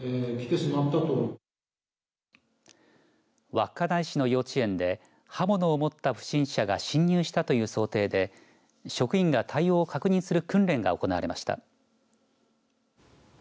稚内市の幼稚園で刃物を持った不審者が侵入したという想定で職員が対応を確認する訓練が行われました。